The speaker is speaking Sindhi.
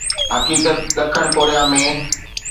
حقيقت ڏکڻ ڪوريا ۾.